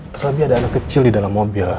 terlebih ada anak kecil di dalam mobil